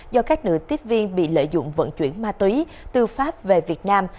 do các nữ tiếp viên bị lợi dụng vận chuyển ma túy từ pháp về việt nam